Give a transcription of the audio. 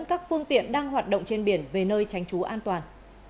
các phương tiện đang hoạt động trên biển về nơi tránh trú an toàn